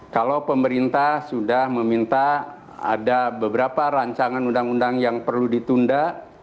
kalau pemerintah sudah meminta ada beberapa rancangan undang undang yang perlu ditunda